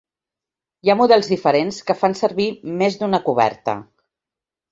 Hi ha models diferents que fan servir més d'una coberta.